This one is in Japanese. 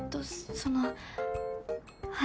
そのはい。